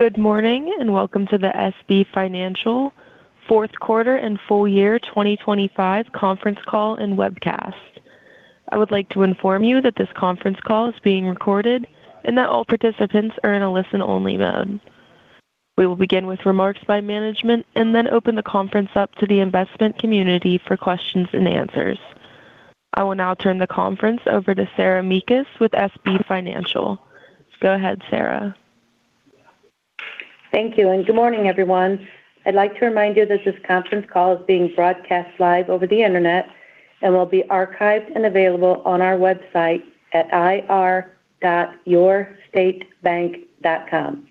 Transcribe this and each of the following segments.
Good morning, and welcome to the SB Financial Fourth Quarter and Full Year 2025 Conference Call and Webcast. I would like to inform you that this conference call is being recorded and that all participants are in a listen-only mode. We will begin with remarks by management and then open the conference up to the investment community for questions and answers. I will now turn the conference over to Sarah Mekus with SB Financial. Go ahead, Sarah. Thank you, and good morning, everyone. I'd like to remind you that this conference call is being broadcast live over the Internet and will be archived and available on our website at ir.yourstatebank.com.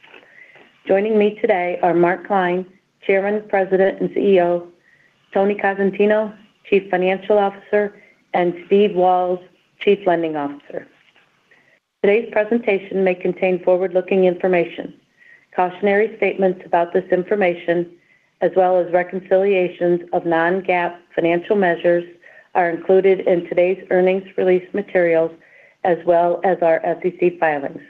Joining me today are Mark Klein, Chairman, President, and CEO; Tony Cosentino, Chief Financial Officer; and Steve Walz, Chief Lending Officer. Today's presentation may contain forward-looking information. Cautionary statements about this information, as well as reconciliations of non-GAAP financial measures, are included in today's earnings release materials, as well as our SEC filings.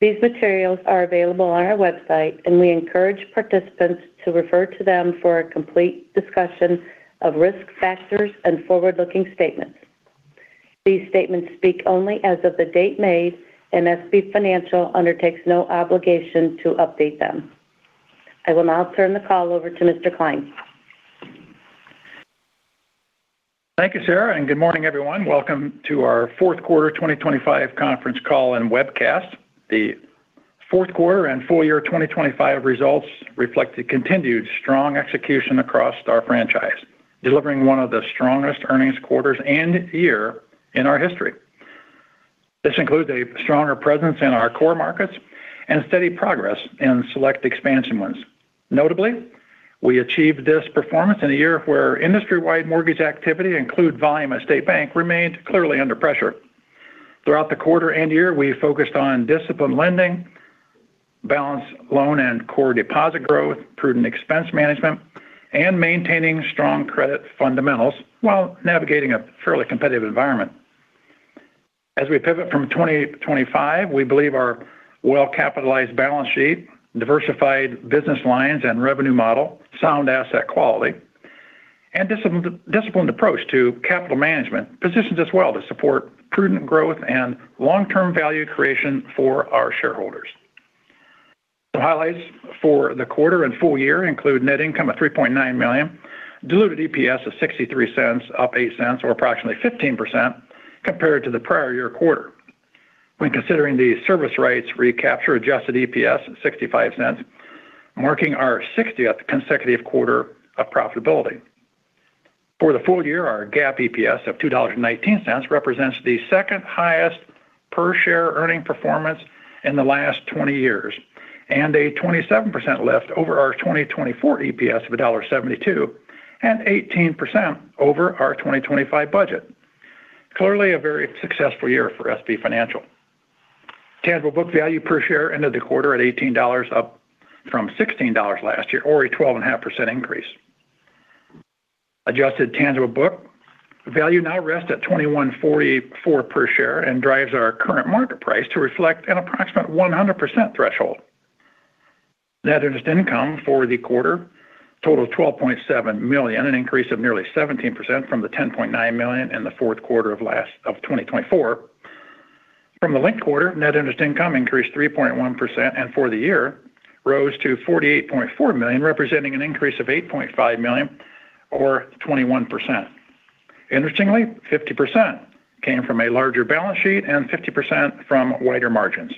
These materials are available on our website, and we encourage participants to refer to them for a complete discussion of risk factors and forward-looking statements. These statements speak only as of the date made, and SB Financial undertakes no obligation to update them. I will now turn the call over to Mr. Klein. Thank you, Sarah, and good morning, everyone. Welcome to our Fourth Quarter 2025 Conference Call and Webcast. The fourth quarter and full year 2025 results reflect the continued strong execution across our franchise, delivering one of the strongest earnings quarters and year in our history. This includes a stronger presence in our core markets and steady progress in select expansion ones. Notably, we achieved this performance in a year where industry-wide mortgage activity include volume at State Bank remained clearly under pressure. Throughout the quarter and year, we focused on disciplined lending, balanced loan and core deposit growth, prudent expense management, and maintaining strong credit fundamentals while navigating a fairly competitive environment. As we pivot from 2025, we believe our well-capitalized balance sheet, diversified business lines and revenue model, sound asset quality, and disciplined approach to capital management positions us well to support prudent growth and long-term value creation for our shareholders. The highlights for the quarter and full year include net income of $3.9 million, diluted EPS of $0.63, up $0.08, or approximately 15% compared to the prior-year quarter. When considering the service rights, recapture-adjusted EPS at $0.65, marking our 60th consecutive quarter of profitability. For the full year, our GAAP EPS of $2.19 represents the second-highest per-share earnings performance in the last 20 years, and a 27% lift over our 2024 EPS of $1.72 and 18% over our 2025 budget. Clearly, a very successful year for SB Financial. Tangible book value per share ended the quarter at $18, up from $16 last year, or a 12.5% increase. Adjusted tangible book value now rests at $21.44 per share and drives our current market price to reflect an approximate 100% threshold. Net interest income for the quarter totaled $12.7 million, an increase of nearly 17% from the $10.9 million in the fourth quarter of 2024. From the linked quarter, net interest income increased 3.1%, and for the year rose to $48.4 million, representing an increase of $8.5 million or 21%. Interestingly, 50% came from a larger balance sheet and 50% from wider margins.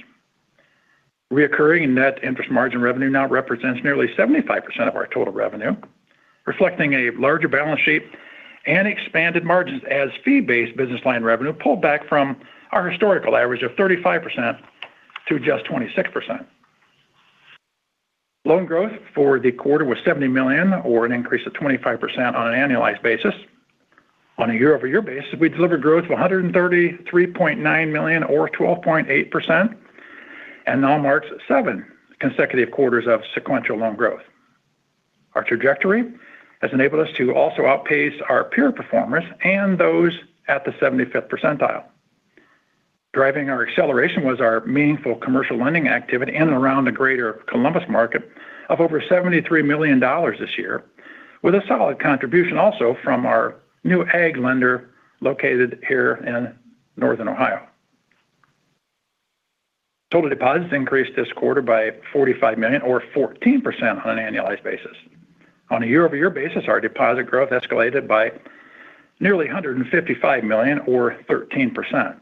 Recurring net interest margin revenue now represents nearly 75% of our total revenue, reflecting a larger balance sheet and expanded margins as fee-based business line revenue pulled back from our historical average of 35% to just 26%. Loan growth for the quarter was $70 million or an increase of 25% on an annualized basis. On a year-over-year basis, we delivered growth of $133.9 million or 12.8%, and now marks seven consecutive quarters of sequential loan growth. Our trajectory has enabled us to also outpace our peer performers and those at the 75th percentile. Driving our acceleration was our meaningful commercial lending activity in and around the Greater Columbus market of over $73 million this year, with a solid contribution also from our new ag lender located here in Northern Ohio. Total deposits increased this quarter by $45 million or 14% on an annualized basis. On a year-over-year basis, our deposit growth escalated by nearly $155 million or 13%.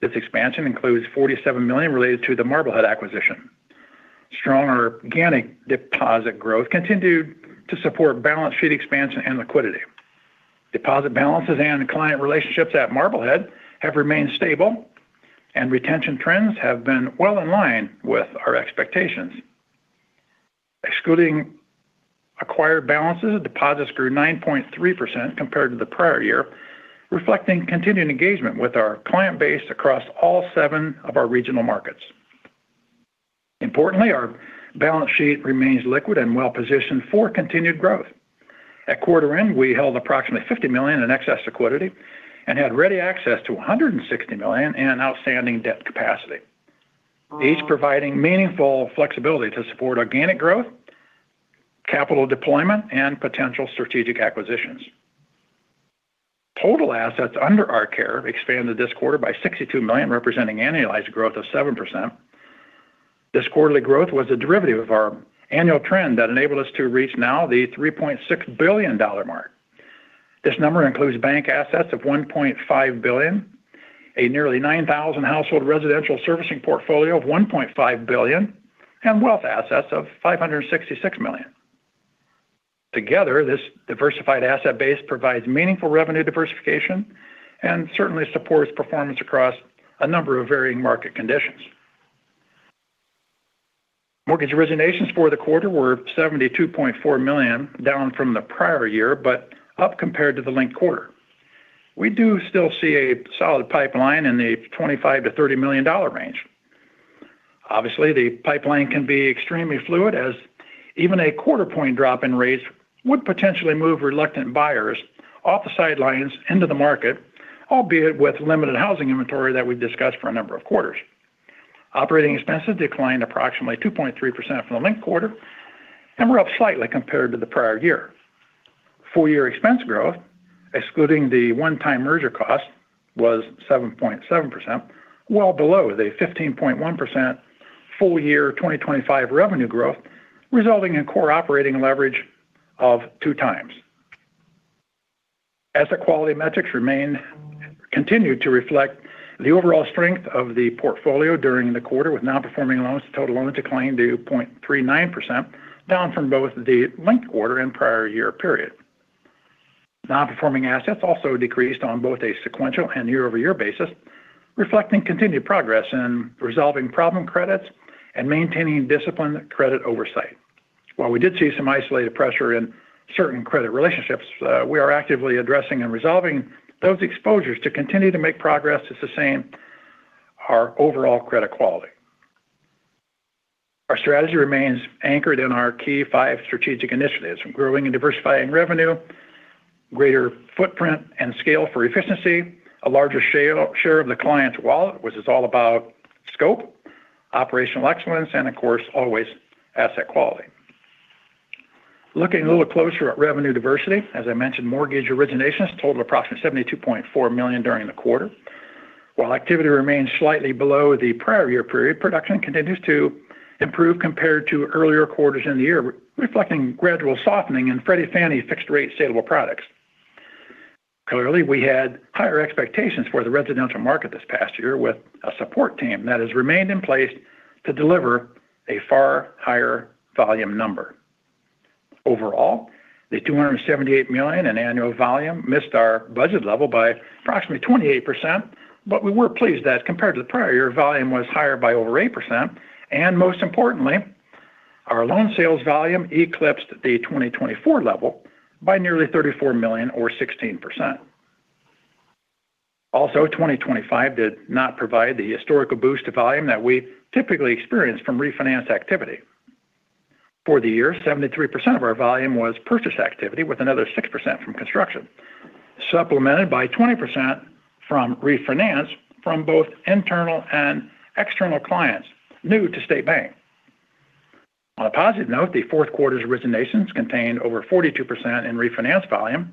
This expansion includes $47 million related to the Marblehead acquisition. Stronger organic deposit growth continued to support balance sheet expansion and liquidity. Deposit balances and client relationships at Marblehead have remained stable, and retention trends have been well in line with our expectations. Excluding acquired balances, deposits grew 9.3% compared to the prior year, reflecting continuing engagement with our client base across all seven of our regional markets. Importantly, our balance sheet remains liquid and well-positioned for continued growth. At quarter end, we held approximately $50 million in excess liquidity and had ready access to $160 million in outstanding debt capacity, each providing meaningful flexibility to support organic growth, capital deployment, and potential strategic acquisitions. Total assets under our care expanded this quarter by $62 million, representing annualized growth of 7%. This quarterly growth was a derivative of our annual trend that enabled us to reach now the $3.6 billion mark. This number includes bank assets of $1.5 billion, a nearly 9,000 household residential servicing portfolio of $1.5 billion, and wealth assets of $566 million. Together, this diversified asset base provides meaningful revenue diversification and certainly supports performance across a number of varying market conditions. Mortgage originations for the quarter were $72.4 million, down from the prior year, but up compared to the linked quarter. We do still see a solid pipeline in the $25 million-$30 million range. Obviously, the pipeline can be extremely fluid, as even a quarter point drop in rates would potentially move reluctant buyers off the sidelines into the market, albeit with limited housing inventory that we've discussed for a number of quarters. Operating expenses declined approximately 2.3% from the linked quarter and were up slightly compared to the prior year. Full year expense growth, excluding the one-time merger cost, was 7.7%, well below the 15.1% full year 2025 revenue growth, resulting in core operating leverage of 2x. As the quality metrics continue to reflect the overall strength of the portfolio during the quarter with non-performing loans, total loans declined to 0.39%, down from both the linked quarter and prior year period. Non-performing assets also decreased on both a sequential and year-over-year basis, reflecting continued progress in resolving problem credits and maintaining disciplined credit oversight. While we did see some isolated pressure in certain credit relationships, we are actively addressing and resolving those exposures to continue to make progress to sustain our overall credit quality. Our strategy remains anchored in our key five strategic initiatives, from growing and diversifying revenue, greater footprint and scale for efficiency, a larger share of the client's wallet, which is all about scope, operational excellence, and of course, always asset quality. Looking a little closer at revenue diversity, as I mentioned, mortgage originations totaled approximately $72.4 million during the quarter. While activity remains slightly below the prior year period, production continues to improve compared to earlier quarters in the year, reflecting gradual softening in Freddie Fannie's fixed-rate saleable products. Clearly, we had higher expectations for the residential market this past year, with a support team that has remained in place to deliver a far higher volume number. Overall, the $278 million in annual volume missed our budget level by approximately 28%, but we were pleased that compared to the prior year, volume was higher by over 8%. And most importantly, our loan sales volume eclipsed the 2024 level by nearly $34 million or 16%. Also, 2025 did not provide the historical boost to volume that we typically experience from refinance activity. For the year, 73% of our volume was purchase activity, with another 6% from construction, supplemented by 20% from refinance from both internal and external clients new to State Bank. On a positive note, the fourth quarter's originations contained over 42% in refinance volume,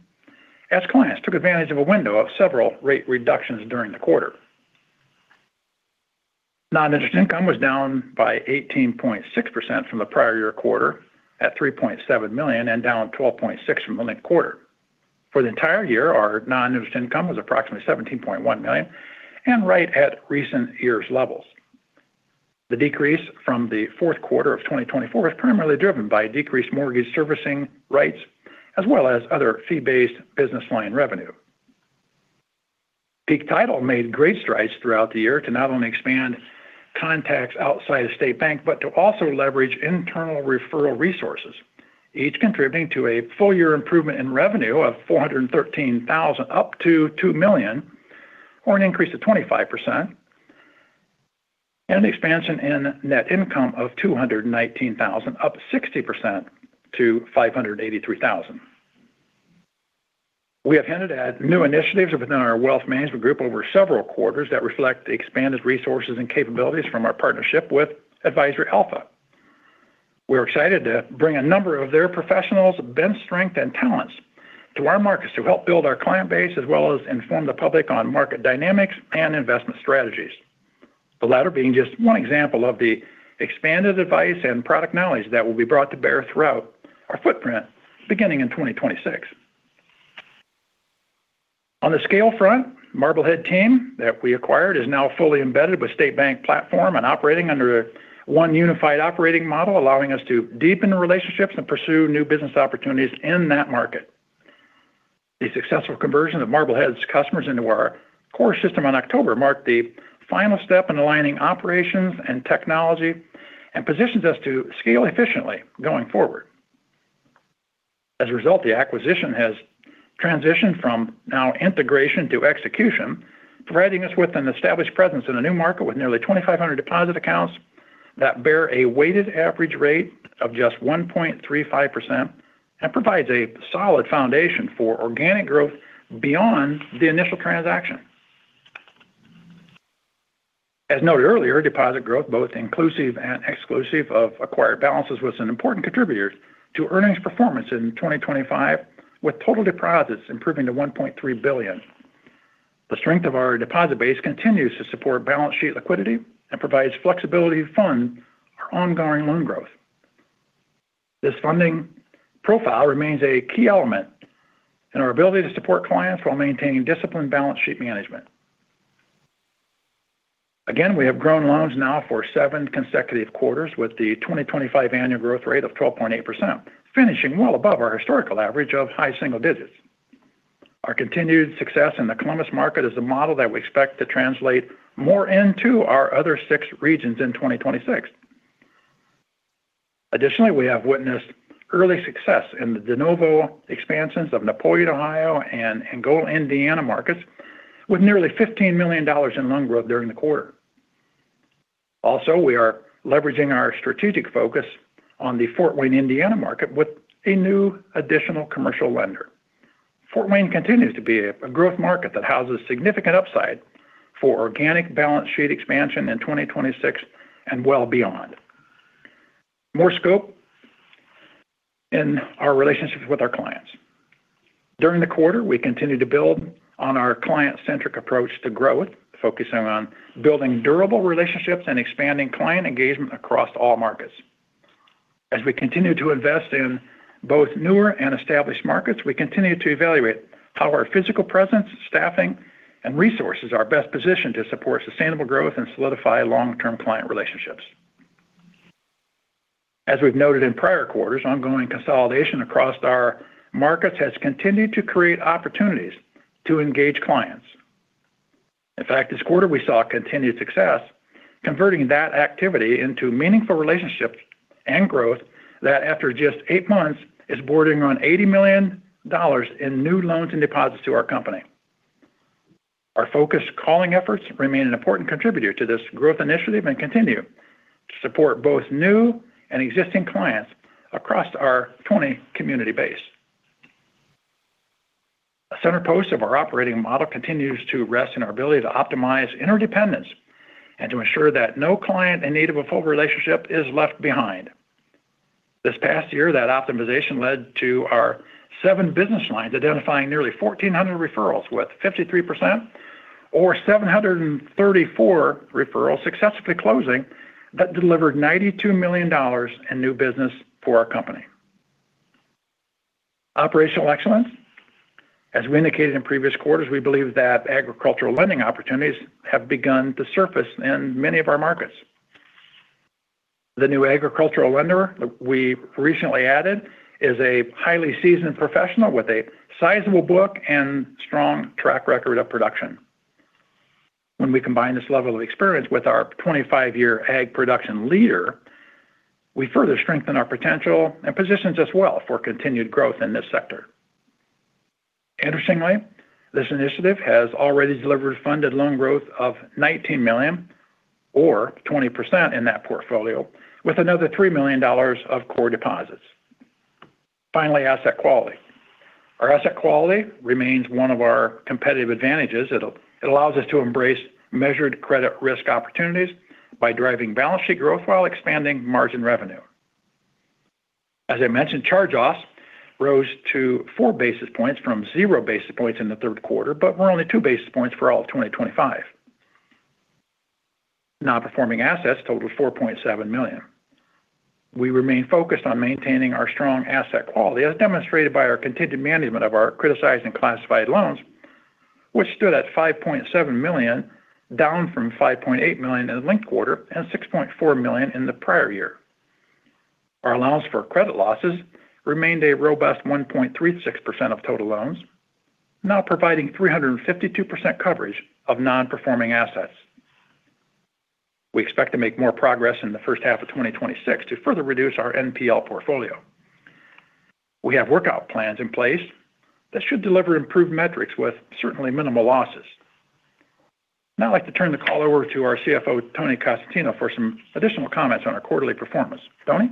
as clients took advantage of a window of several rate reductions during the quarter. Non-interest income was down by 18.6% from the prior year quarter at $3.7 million, and down 12.6% from the linked quarter. For the entire year, our non-interest income was approximately $17.1 million and right at recent years' levels. The decrease from the fourth quarter of 2024 was primarily driven by decreased mortgage servicing rates as well as other fee-based business line revenue. Peak Title made great strides throughout the year to not only expand contacts outside of State Bank, but to also leverage internal referral resources, each contributing to a full year improvement in revenue of $413,000, up to $2 million, or an increase of 25%, and an expansion in net income of $219,000, up 60% to $583,000. We have hinted at new initiatives within our wealth management group over several quarters that reflect the expanded resources and capabilities from our partnership with Advisory Alpha. We're excited to bring a number of their professionals, bench strength, and talents to our markets to help build our client base, as well as inform the public on market dynamics and investment strategies. The latter being just one example of the expanded advice and product knowledge that will be brought to bear throughout our footprint beginning in 2026. On the scale front, Marblehead team that we acquired is now fully embedded with State Bank platform and operating under one unified operating model, allowing us to deepen the relationships and pursue new business opportunities in that market. The successful conversion of Marblehead's customers into our core system on October marked the final step in aligning operations and technology and positions us to scale efficiently going forward. As a result, the acquisition has transitioned from an integration to execution, providing us with an established presence in a new market with nearly 2,500 deposit accounts that bear a weighted average rate of just 1.35% and provides a solid foundation for organic growth beyond the initial transaction. As noted earlier, deposit growth, both inclusive and exclusive of acquired balances, was an important contributor to earnings performance in 2025, with total deposits improving to $1.3 billion. The strength of our deposit base continues to support balance sheet liquidity and provides flexibility to fund our ongoing loan growth. This funding profile remains a key element in our ability to support clients while maintaining disciplined balance sheet management. Again, we have grown loans now for seven consecutive quarters, with the 2025 annual growth rate of 12.8%, finishing well above our historical average of high single digits. Our continued success in the Columbus market is a model that we expect to translate more into our other six regions in 2026. Additionally, we have witnessed early success in the de novo expansions of Napoleon, Ohio, and Angola, Indiana markets, with nearly $15 million in loan growth during the quarter. Also, we are leveraging our strategic focus on the Fort Wayne, Indiana market with a new additional commercial lender. Fort Wayne continues to be a growth market that houses significant upside for organic balance sheet expansion in 2026 and well beyond. More scope in our relationships with our clients. During the quarter, we continued to build on our client-centric approach to growth, focusing on building durable relationships and expanding client engagement across all markets. As we continue to invest in both newer and established markets, we continue to evaluate how our physical presence, staffing, and resources are best positioned to support sustainable growth and solidify long-term client relationships. As we've noted in prior quarters, ongoing consolidation across our markets has continued to create opportunities to engage clients. In fact, this quarter we saw continued success, converting that activity into meaningful relationships and growth that, after just eight months, is bordering on $80 million in new loans and deposits to our company. Our focused calling efforts remain an important contributor to this growth initiative and continue to support both new and existing clients across our 20 community base. A center post of our operating model continues to rest in our ability to optimize interdependence and to ensure that no client in need of a full relationship is left behind. This past year, that optimization led to our seven business lines identifying nearly 1,400 referrals, with 53% or 734 referrals successfully closing, that delivered $92 million in new business for our company. Operational excellence. As we indicated in previous quarters, we believe that agricultural lending opportunities have begun to surface in many of our markets. The new agricultural lender that we recently added is a highly seasoned professional with a sizable book and strong track record of production. When we combine this level of experience with our 25-year ag production leader, we further strengthen our potential and positions us well for continued growth in this sector. Interestingly, this initiative has already delivered funded loan growth of $19 million or 20% in that portfolio, with another $3 million of core deposits. Finally, asset quality. Our asset quality remains one of our competitive advantages. It allows us to embrace measured credit risk opportunities by driving balance sheet growth while expanding margin revenue. As I mentioned, charge-offs rose to 4 basis points from 0 basis points in the third quarter, but were only 2 basis points for all of 2025. Non-performing assets totaled $4.7 million. We remain focused on maintaining our strong asset quality, as demonstrated by our continued management of our criticized and classified loans, which stood at $5.7 million, down from $5.8 million in the linked quarter and $6.4 million in the prior year. Our allowance for credit losses remained a robust 1.36% of total loans, now providing 352% coverage of non-performing assets. We expect to make more progress in the first half of 2026 to further reduce our NPL portfolio. We have workout plans in place that should deliver improved metrics with certainly minimal losses. Now, I'd like to turn the call over to our CFO, Tony Cosentino, for some additional comments on our quarterly performance. Tony?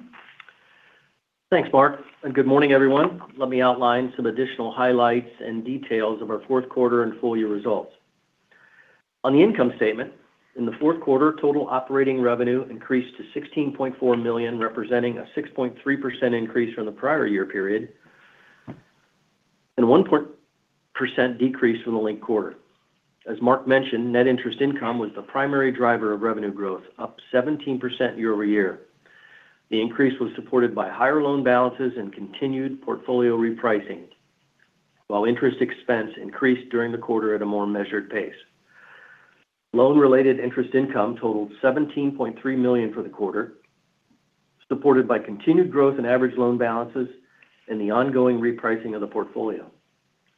Thanks, Mark, and good morning, everyone. Let me outline some additional highlights and details of our fourth quarter and full year results. On the income statement, in the fourth quarter, total operating revenue increased to $16.4 million, representing a 6.3% increase from the prior year period, and 1% decrease from the linked quarter. As Mark mentioned, net interest income was the primary driver of revenue growth, up 17% year-over-year. The increase was supported by higher loan balances and continued portfolio repricing, while interest expense increased during the quarter at a more measured pace. Loan-related interest income totaled $17.3 million for the quarter, supported by continued growth in average loan balances and the ongoing repricing of the portfolio.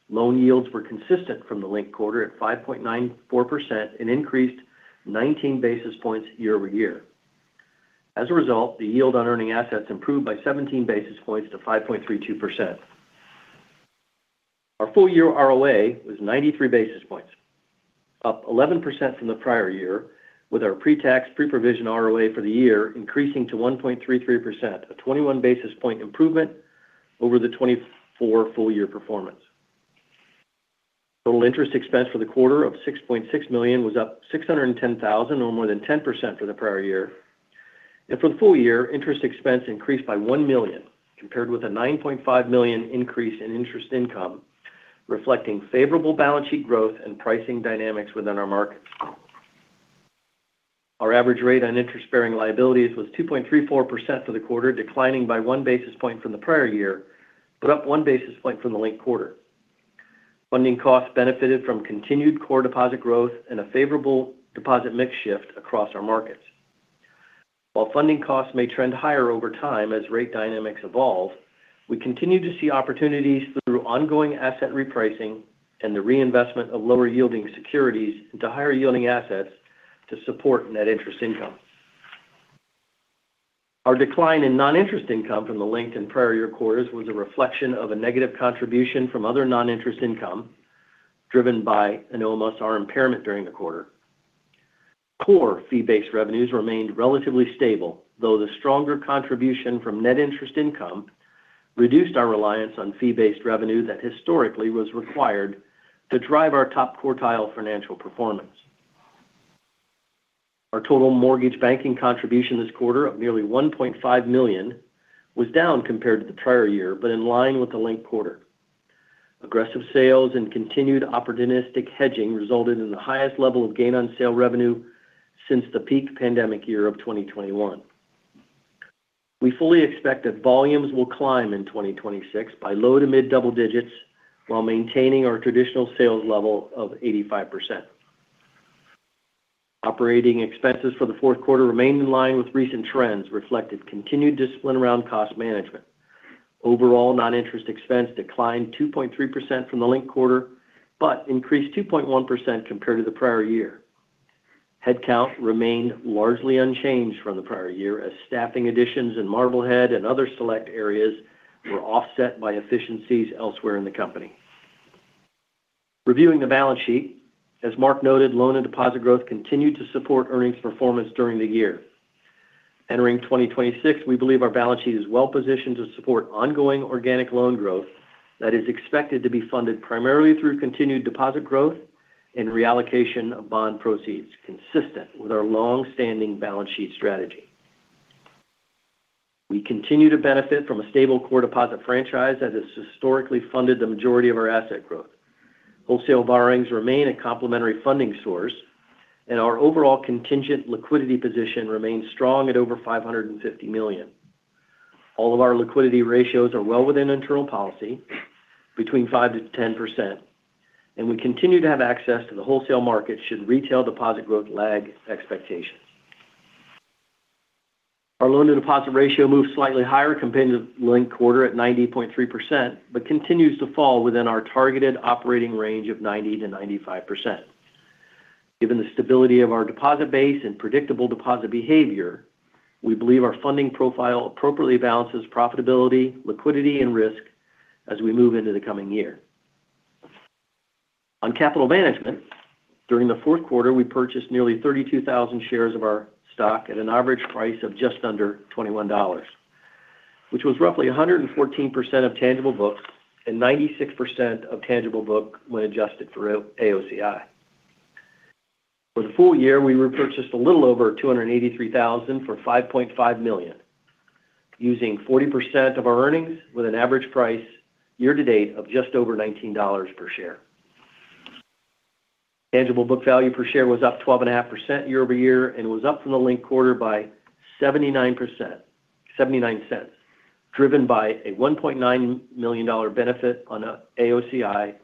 Loan yields were consistent from the linked quarter at 5.94% and increased 19 basis points year-over-year. As a result, the yield on earning assets improved by 17 basis points to 5.32%.... Our full year ROA was 93 basis points, up 11% from the prior year, with our pre-tax, pre-provision ROA for the year increasing to 1.33%, a 21 basis point improvement over the 2024 full-year performance. Total interest expense for the quarter of $6.6 million was up $610,000, or more than 10% for the prior year. For the full year, interest expense increased by $1 million, compared with a $9.5 million increase in interest income, reflecting favorable balance sheet growth and pricing dynamics within our markets. Our average rate on interest-bearing liabilities was 2.34% for the quarter, declining by 1 basis point from the prior year, but up one basis point from the linked quarter. Funding costs benefited from continued core deposit growth and a favorable deposit mix shift across our markets. While funding costs may trend higher over time as rate dynamics evolve, we continue to see opportunities through ongoing asset repricing and the reinvestment of lower yielding securities into higher yielding assets to support net interest income. Our decline in non-interest income from the linked and prior year quarters was a reflection of a negative contribution from other non-interest income, driven by an OMSR impairment during the quarter. Core fee-based revenues remained relatively stable, though the stronger contribution from net interest income reduced our reliance on fee-based revenue that historically was required to drive our top-quartile financial performance. Our total mortgage banking contribution this quarter of nearly $1.5 million was down compared to the prior year, but in line with the linked quarter. Aggressive sales and continued opportunistic hedging resulted in the highest level of gain on sale revenue since the peak pandemic year of 2021. We fully expect that volumes will climb in 2026 by low to mid double digits while maintaining our traditional sales level of 85%. Operating expenses for the fourth quarter remained in line with recent trends, reflected continued discipline around cost management. Overall, non-interest expense declined 2.3% from the linked quarter, but increased 2.1% compared to the prior year. Headcount remained largely unchanged from the prior year, as staffing additions in Marblehead and other select areas were offset by efficiencies elsewhere in the company. Reviewing the balance sheet, as Mark noted, loan and deposit growth continued to support earnings performance during the year. Entering 2026, we believe our balance sheet is well positioned to support ongoing organic loan growth that is expected to be funded primarily through continued deposit growth and reallocation of bond proceeds, consistent with our long-standing balance sheet strategy. We continue to benefit from a stable core deposit franchise as it's historically funded the majority of our asset growth. Wholesale borrowings remain a complementary funding source, and our overall contingent liquidity position remains strong at over $550 million. All of our liquidity ratios are well within internal policy, between 5%-10%, and we continue to have access to the wholesale market should retail deposit growth lag expectations. Our loan-to-deposit ratio moved slightly higher compared to the linked quarter at 90.3%, but continues to fall within our targeted operating range of 90%-95%. Given the stability of our deposit base and predictable deposit behavior, we believe our funding profile appropriately balances profitability, liquidity, and risk as we move into the coming year. On capital management, during the fourth quarter, we purchased nearly 32,000 shares of our stock at an average price of just under $21, which was roughly 114% of tangible book and 96% of tangible book when adjusted for AOCI. For the full year, we repurchased a little over 283,000 for $5.5 million, using 40% of our earnings with an average price year to date of just over $19 per share. Tangible book value per share was up 12.5% year-over-year and was up from the linked quarter by 79% $0.79, driven by a $1.9 million benefit on AOCI,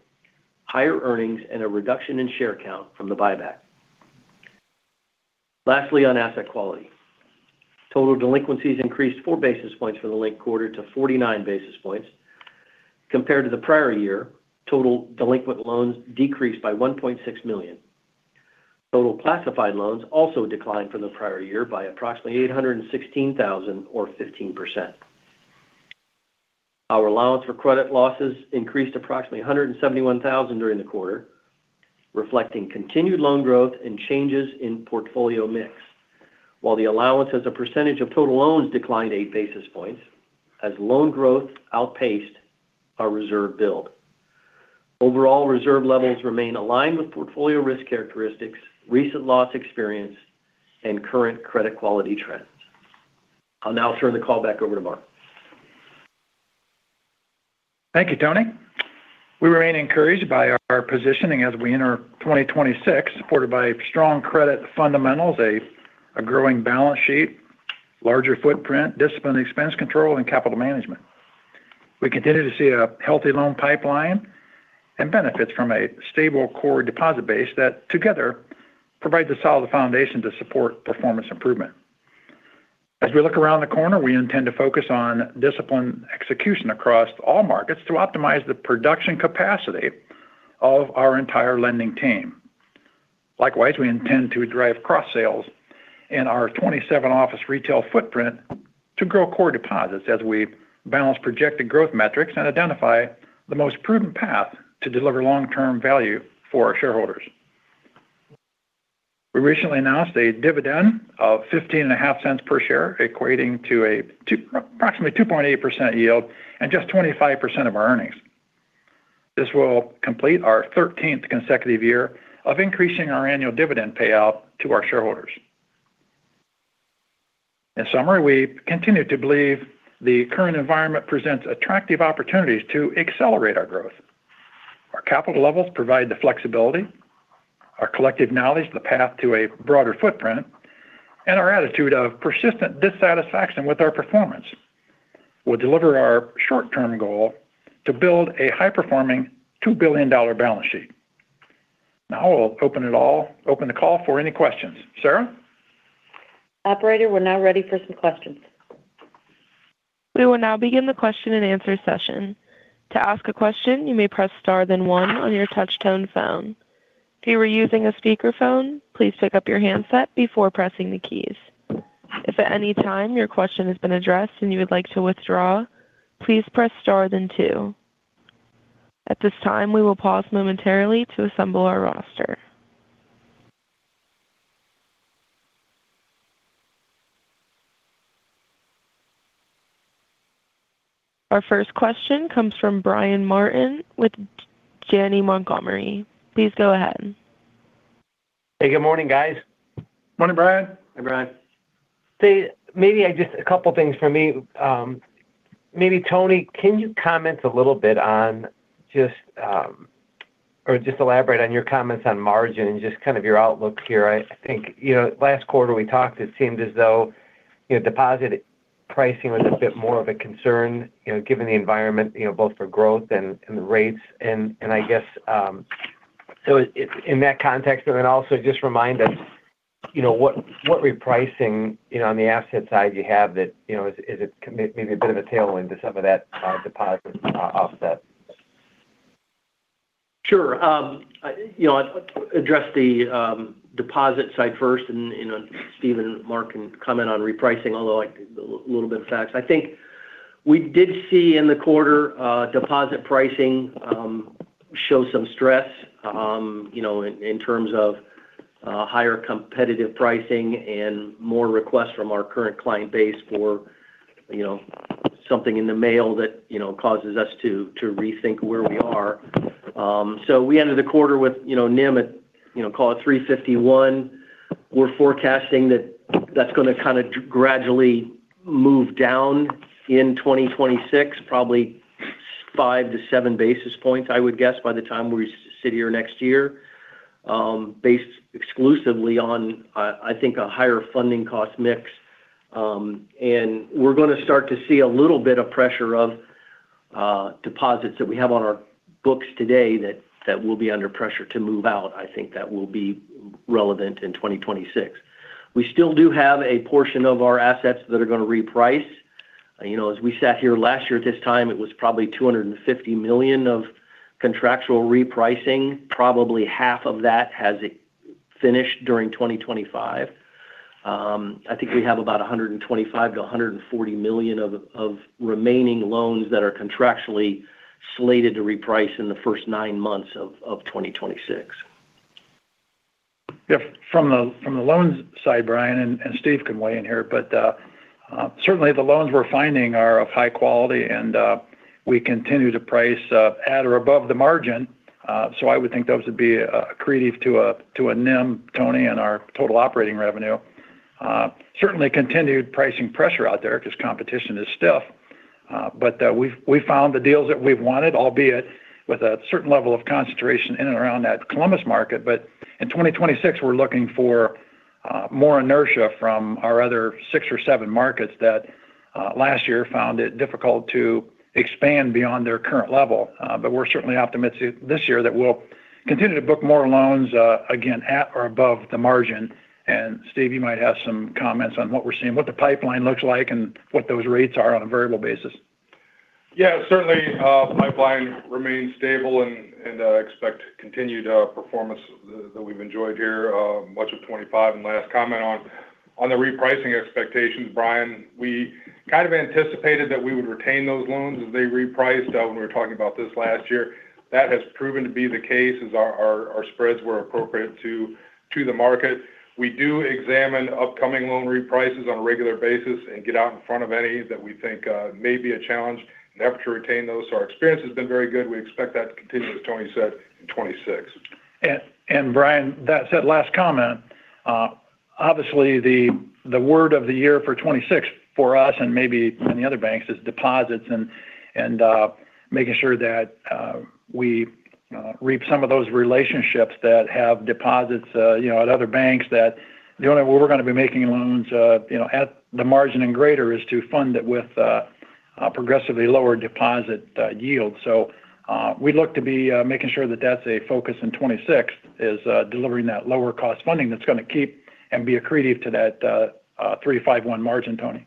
higher earnings, and a reduction in share count from the buyback. Lastly, on asset quality. Total delinquencies increased 4 basis points for the linked quarter to 49 basis points. Compared to the prior year, total delinquent loans decreased by $1.6 million. Total classified loans also declined from the prior year by approximately $816,000 or 15%. Our allowance for credit losses increased approximately $171,000 during the quarter, reflecting continued loan growth and changes in portfolio mix, while the allowance as a percentage of total loans declined 8 basis points as loan growth outpaced our reserve build. Overall, reserve levels remain aligned with portfolio risk characteristics, recent loss experience, and current credit quality trends. I'll now turn the call back over to Mark. Thank you, Tony. We remain encouraged by our positioning as we enter 2026, supported by strong credit fundamentals, a growing balance sheet, larger footprint, disciplined expense control, and capital management. We continue to see a healthy loan pipeline and benefits from a stable core deposit base that together provide the solid foundation to support performance improvement. As we look around the corner, we intend to focus on disciplined execution across all markets to optimize the production capacity of our entire lending team. Likewise, we intend to drive cross sales in our 27-office retail footprint to grow core deposits as we balance projected growth metrics and identify the most prudent path to deliver long-term value for our shareholders. We recently announced a dividend of $0.155 per share, equating to approximately 2.8% yield and just 25% of our earnings. This will complete our thirteenth consecutive year of increasing our annual dividend payout to our shareholders. In summary, we continue to believe the current environment presents attractive opportunities to accelerate our growth. Our capital levels provide the flexibility, our collective knowledge, the path to a broader footprint, and our attitude of persistent dissatisfaction with our performance will deliver our short-term goal to build a high-performing $2 billion balance sheet. Now I'll open the call for any questions. Sarah? Operator, we're now ready for some questions. We will now begin the question and answer session. To ask a question, you may press star, then one on your touch tone phone. If you are using a speakerphone, please pick up your handset before pressing the keys. If at any time your question has been addressed and you would like to withdraw, please press star then two. At this time, we will pause momentarily to assemble our roster. Our first question comes from Brian Martin with Janney Montgomery Scott. Please go ahead. Hey, good morning, guys. Morning, Brian. Hi, Brian. So maybe I just—a couple of things for me. Maybe, Tony, can you comment a little bit on just, or just elaborate on your comments on margin and just your outlook here? I think, you know, last quarter we talked, it seemed as though, you know, deposit pricing was a bit more of a concern, you know, given the environment, you know, both for growth and, and the rates. And, and I guess, so it, it—in that context, but then also just remind us, you know, what, what repricing, you know, on the asset side you have that, you know, is, is it maybe a bit of a tailwind to some of that, deposit, offset? Sure. You know, address the deposit side first, and, you know, Steve and Mark can comment on repricing, although a little bit of facts. I think we did see in the quarter, deposit pricing, you know, in terms of higher competitive pricing and more requests from our current client base for, you know, something in the mail that, you know, causes us to rethink where we are. So we ended the quarter with, you know, NIM at, you know, call it 351. We're forecasting that that's going to gradually move down in 2026, probably 5-7 basis points, I would guess, by the time we sit here next year, based exclusively on, I think, a higher funding cost mix. And we're going to start to see a little bit of pressure of deposits that we have on our books today that, that will be under pressure to move out. I think that will be relevant in 2026. We still do have a portion of our assets that are going to reprice. You know, as we sat here last year at this time, it was probably $250 million of contractual repricing. Probably half of that has finished during 2025. I think we have about $125 million-$140 million of remaining loans that are contractually slated to reprice in the first nine months of 2026. Yeah, from the loans side, Brian, and Steve can weigh in here, but certainly the loans we're finding are of high quality, and we continue to price at or above the margin. So I would think those would be accretive to a NIM, Tony, and our total operating revenue. Certainly continued pricing pressure out there because competition is stiff, but we've found the deals that we've wanted, albeit with a certain level of concentration in and around that Columbus market. But in 2026, we're looking for more inertia from our other six or seven markets that last year found it difficult to expand beyond their current level. But we're certainly optimistic this year that we'll continue to book more loans, again, at or above the margin. Steve, you might have some comments on what we're seeing, what the pipeline looks like, and what those rates are on a variable basis. Yeah, certainly, pipeline remains stable and expect continued performance that we've enjoyed here, much of 2025. Last comment on the repricing expectations, Brian, we anticipated that we would retain those loans as they repriced when we were talking about this last year. That has proven to be the case as our spreads were appropriate to the market. We do examine upcoming loan reprices on a regular basis and get out in front of any that we think may be a challenge and effort to retain those. So our experience has been very good. We expect that to continue, as Tony said, in 2026. And Brian, that said, last comment, obviously, the word of the year for 2026 for us and maybe many other banks is deposits and making sure that we reap some of those relationships that have deposits, you know, at other banks, that the only way we're going to be making loans, you know, at the margin and greater, is to fund it with progressively lower deposit yield. So, we look to be making sure that that's a focus in 2026, is delivering that lower cost funding that's going to keep and be accretive to that 3.51 margin, Tony. ...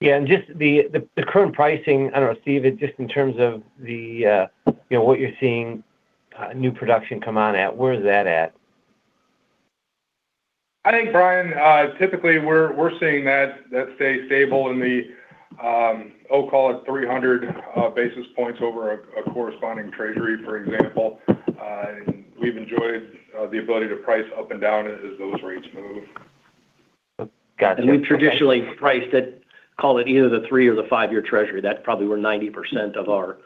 Yeah, and just the current pricing, I don't know, Steve, just in terms of the, you know, what you're seeing, new production come on at, where is that at? I think, Brian, typically we're seeing that that stays stable in the, I'll call it 300 basis points over a corresponding treasury, for example. And we've enjoyed the ability to price up and down as those rates move. Gotcha. We traditionally price that, call it either the three- or five-year treasury. That's probably where 90% of our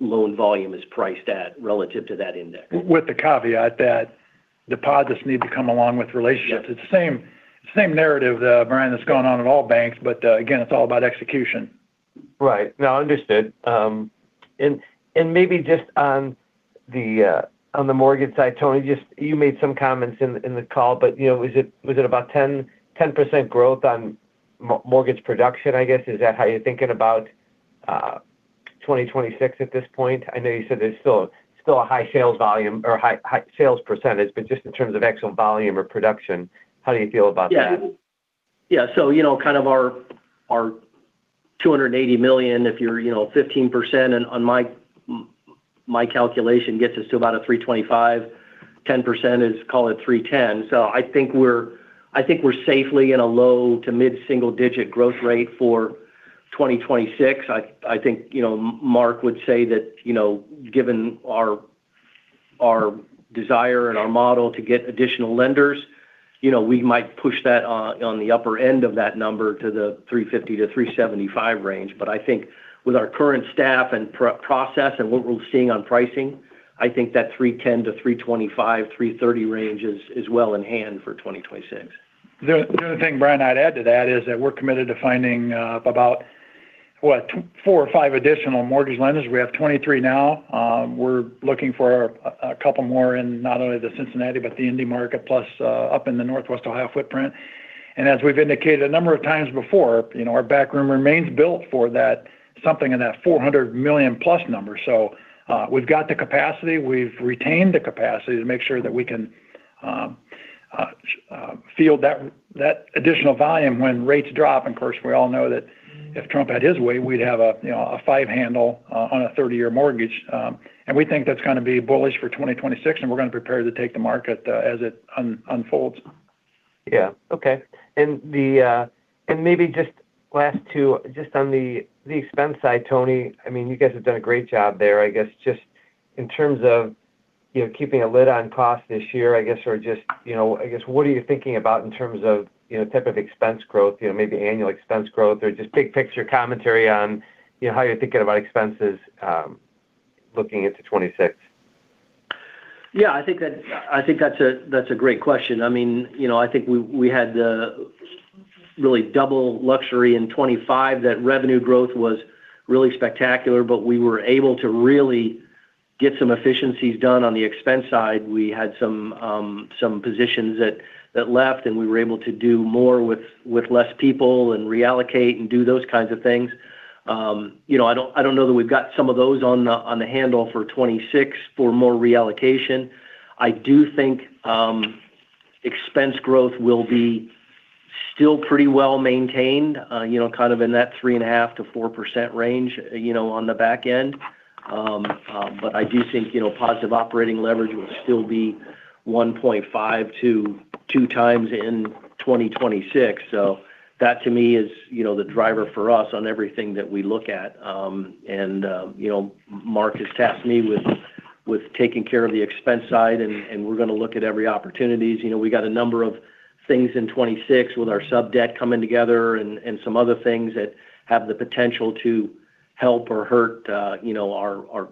loan volume is priced at relative to that index. With the caveat that deposits need to come along with relationships. Yep. It's the same, same narrative, Brian, that's going on at all banks, but, again, it's all about execution. Right. No, understood. And maybe just on the mortgage side, Tony, just you made some comments in the call, but you know, was it about 10% growth on mortgage production, I guess? Is that how you're thinking about 2026 at this point? I know you said there's still a high sales volume or high sales percentage, but just in terms of actual volume or production, how do you feel about that? Yeah. Yeah, so, you know, kind of our $280 million, if you're, you know, 15% and on my calculation gets us to about a $325 million. 10% is, call it $310 million. So I think we're safely in a low to mid single digit growth rate for 2026. I think, you know, Mark would say that, you know, given our desire and our model to get additional lenders, you know, we might push that on the upper end of that number to the $350 million-$375 million range. But I think with our current staff and process and what we're seeing on pricing, I think that $310 million-$325 million, $330 million range is well in hand for 2026. The other thing, Brian, I'd add to that is that we're committed to finding about four or five additional mortgage lenders. We have 23 now. We're looking for a couple more in not only the Cincinnati, but the Indy market, plus up in the Northwest Ohio footprint. And as we've indicated a number of times before, you know, our back room remains built for that, something in that $400 million plus number. So we've got the capacity, we've retained the capacity to make sure that we can field that additional volume when rates drop. And of course, we all know that if Trump had his way, we'd have a, you know, a five handle on a 30-year mortgage. And we think that's gonna be bullish for 2026, and we're going to prepare to take the market, as it unfolds. Yeah. Okay. And maybe just last two, just on the expense side, Tony, I mean, you guys have done a great job there. I guess just in terms of, you know, keeping a lid on cost this year, I guess, or just, you know, I guess what are you thinking about in terms of, you know, type of expense growth, you know, maybe annual expense growth, or just big picture commentary on, you know, how you're thinking about expenses, looking into 2026? Yeah, I think that's a great question. I mean, you know, I think we had the really double luxury in 2025, that revenue growth was really spectacular, but we were able to really get some efficiencies done on the expense side. We had some positions that left, and we were able to do more with less people and reallocate and do those kinds of things. You know, I don't know that we've got some of those on the handle for 2026 for more reallocation. I do think expense growth will be still pretty well maintained, you know, kind of in that 3.5%-4% range, you know, on the back end. But I do think, you know, positive operating leverage will still be 1.5-2 times in 2026. So that to me is, you know, the driver for us on everything that we look at. And you know, Mark has tasked me with taking care of the expense side, and we're going to look at every opportunities. You know, we got a number of things in 2026 with our sub-debt coming together and some other things that have the potential to help or hurt, you know, our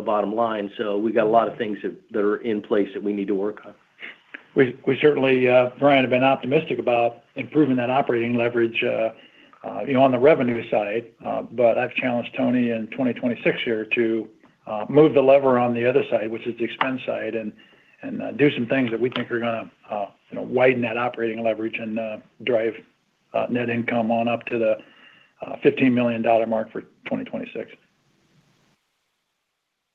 bottom line. So we've got a lot of things that are in place that we need to work on. We certainly, Brian, have been optimistic about improving that operating leverage, you know, on the revenue side. But I've challenged Tony in 2026 here to move the lever on the other side, which is the expense side, and do some things that we think are gonna, you know, widen that operating leverage and drive net income on up to the $15 million mark for 2026.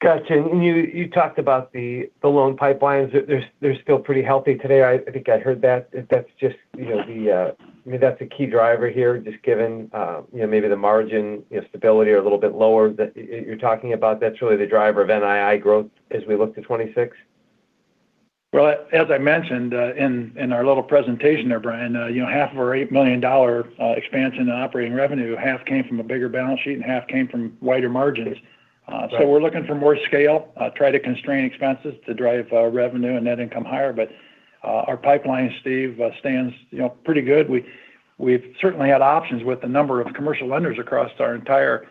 Gotcha. And you talked about the loan pipelines. They're still pretty healthy today. I think I heard that. That's just, you know, I mean, that's a key driver here, just given, you know, maybe the margin stability are a little bit lower, that you're talking about that's really the driver of NII growth as we look to 2026? Well, as I mentioned, in our little presentation there, Brian, you know, half of our $8 million expansion in operating revenue, half came from a bigger balance sheet and half came from wider margins. Right. So we're looking for more scale, try to constrain expenses to drive revenue and net income higher. But our pipeline, Steve, stands, you know, pretty good. We, we've certainly had options with the number of commercial lenders across our entire,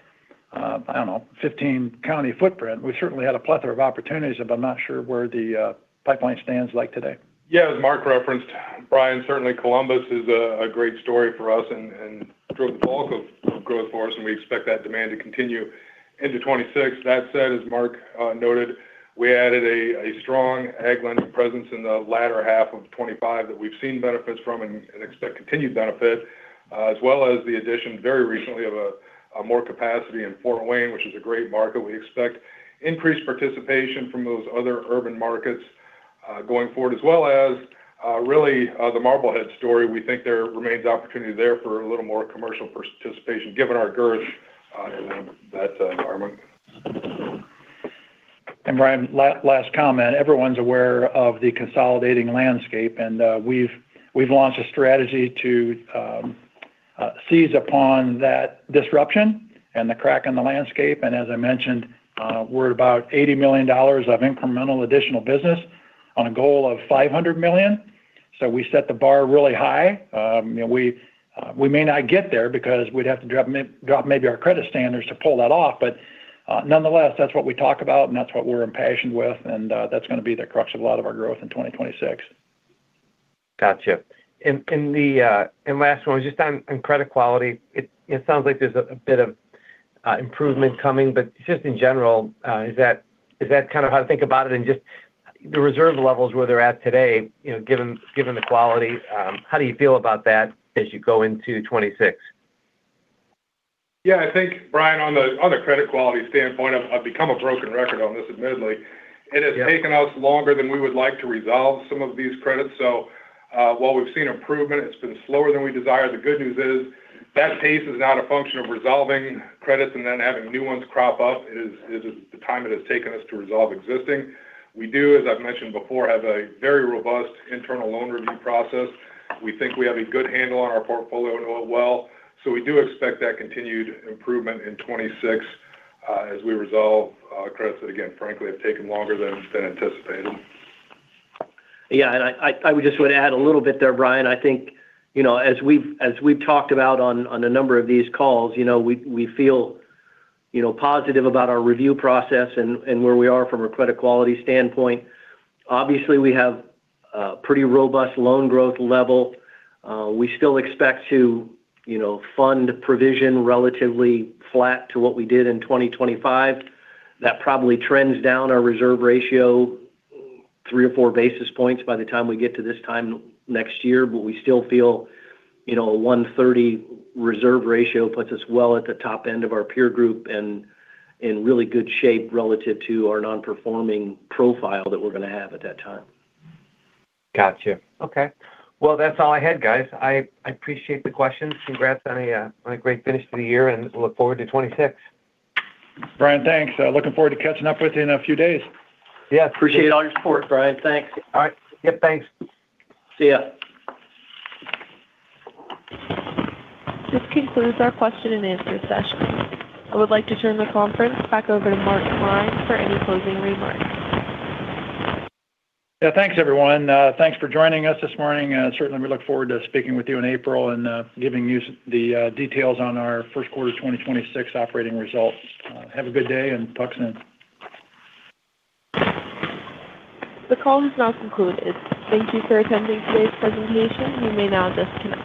I don't know, 15-county footprint. We certainly had a plethora of opportunities, but I'm not sure where the pipeline stands like today. Yeah, as Mark referenced, Brian, certainly Columbus is a great story for us and drove the bulk of growth for us, and we expect that demand to continue into 2026. That said, as Mark noted, we added a strong Ag lending presence in the latter half of 2025 that we've seen benefits from and expect continued benefit, as well as the addition, very recently of a more capacity in Fort Wayne, which is a great market. We expect increased participation from those other urban markets, going forward, as well as, really, the Marblehead story. We think there remains opportunity there for a little more commercial participation, given our girth, in that environment. And Brian, last comment, everyone's aware of the consolidating landscape, and we've launched a strategy to seize upon that disruption and the crack in the landscape. And as I mentioned, we're about $80 million of incremental additional business on a goal of $500 million. So we set the bar really high. You know, we may not get there because we'd have to drop maybe our credit standards to pull that off, but nonetheless, that's what we talk about, and that's what we're impassioned with, and that's gonna be the crux of a lot of our growth in 2026. Gotcha. And the last one, just on credit quality, it sounds like there's a bit of improvement coming, but just in general, is that kind of how to think about it? And just the reserve levels where they're at today, you know, given the quality, how do you feel about that as you go into 2026? Yeah, I think, Brian, on the credit quality standpoint, I've become a broken record on this, admittedly. Yeah. It has taken us longer than we would like to resolve some of these credits. So, while we've seen improvement, it's been slower than we desired. The good news is that pace is not a function of resolving credits and then having new ones crop up. It is, it is the time it has taken us to resolve existing. We do, as I've mentioned before, have a very robust internal loan review process. We think we have a good handle on our portfolio overall, so we do expect that continued improvement in 2026, as we resolve, credits that, again, frankly, have taken longer than anticipated. Yeah, and I would just want to add a little bit there, Brian. I think, you know, as we've talked about on a number of these calls, you know, we feel, you know, positive about our review process and where we are from a credit quality standpoint. Obviously, we have a pretty robust loan growth level. We still expect to, you know, fund provision relatively flat to what we did in 2025. That probably trends down our reserve ratio 3 or 4 basis points by the time we get to this time next year, but we still feel, you know, 1.30 reserve ratio puts us well at the top end of our peer group and in really good shape relative to our non-performing profile that we're gonna have at that time. Gotcha. Okay. Well, that's all I had, guys. I appreciate the questions. Congrats on a great finish to the year, and look forward to 2026. Brian, thanks. Looking forward to catching up with you in a few days. Yeah, appreciate all your support, Brian. Thanks. All right. Yep, thanks. See you. This concludes our question and answer session. I would like to turn the conference back over to Mark Klein for any closing remarks. Yeah, thanks, everyone. Thanks for joining us this morning, and certainly, we look forward to speaking with you in April and giving you the details on our first quarter 2026 operating results. Have a good day, and talk soon. The call is now concluded. Thank you for attending today's presentation. You may now disconnect.